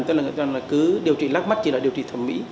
tức là người ta nói là cứ điều trị lắc mắt chỉ là điều trị thẩm mỹ